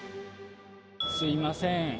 すみません。